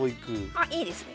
あいいですね。